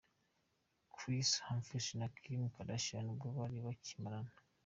Kris Humphries na Kim Kardashian ubwo bari bakibana.